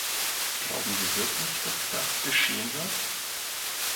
Glauben Sie wirklich, dass das geschehen wird?